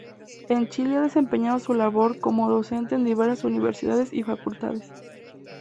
En Chile ha desempeñado su labor como docente en diversas universidades y facultades.